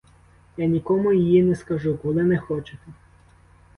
Я нікому її не скажу, коли не хочете.